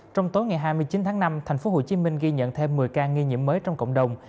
trong tối ngày hai mươi chín tháng năm thành phố hồ chí minh ghi nhận thêm một mươi ca nghi nhiễm mới trong cộng đồng